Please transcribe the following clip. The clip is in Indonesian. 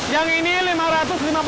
yang ini lima ratus lima puluh derajat